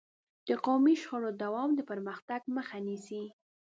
د قومي شخړو دوام د پرمختګ مخه نیسي.